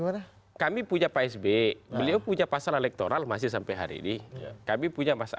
apakah kita bisa tidak dapat prenupsi kita ataupun ketawa